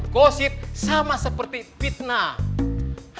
gosip sama seperti fitnah